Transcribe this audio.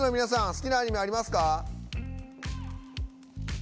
好きなアニメ、ありますか？